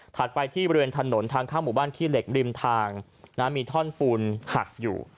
ไปที่บริเวณถนนทางเข้าหมู่บ้านขี้เหล็กริมทางมีท่อนปูนหักอยู่